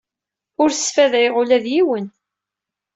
Ur sfadayeɣ ula d yiwen.